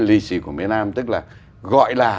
lý sĩ của miền nam tức là gọi là